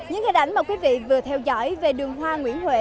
những hình ảnh mà quý vị vừa theo dõi về đường hoa nguyễn huệ